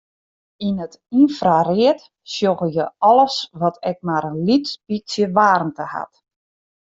Yn it ynfraread sjogge je alles wat ek mar in lyts bytsje waarmte hat.